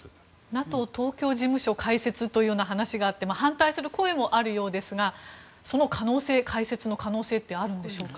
ＮＡＴＯ東京事務所開設という話があって反対する声もあるようですがその開設の可能性ってあるんでしょうか？